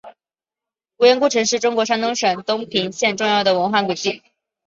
无盐故城是中国山东省东平县重要的文化古迹。